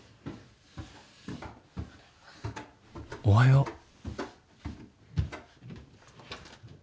おはよう。